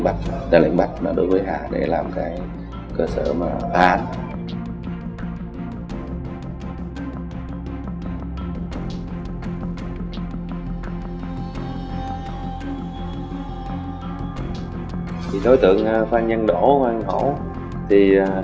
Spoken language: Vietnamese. được tên lệnh mạch mà đối với hạ để làm cái cơ sở mà bạn thì đối tượng phan nhân đổ hoa khổ thì